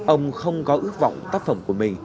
ông không có ước vọng tác phẩm của mình